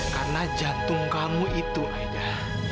karena jantung kamu itu aida